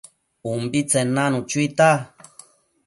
ubitsen nanu chuita